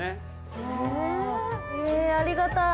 ありがたい。